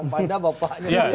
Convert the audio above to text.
bang panda bapaknya